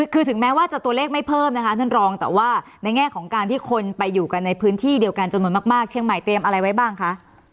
คือถึงแม้ว่าจะตัวเลขไม่เพิ่มนะคะท่านรองแต่ว่าในแง่ของการที่คนไปอยู่กันในพื้นที่เดียวกันจำนวนมากเชียงใหม่เตรียมอะไรไว้บ้างคะ